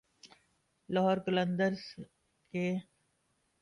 لاہور قلندرز کے